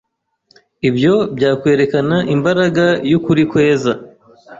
ibyo byakwerekana imbaraga y’ukuri kweza,